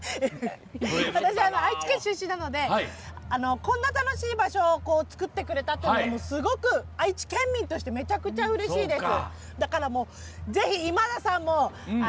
私、愛知県出身なのでこんな楽しい場所を作ってくれたっていうのがすごく愛知県民としてめちゃくちゃうれしいです。